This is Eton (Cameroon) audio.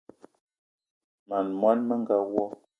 Mań món menga wo!